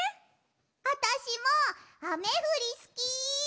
あたしもあめふりすき！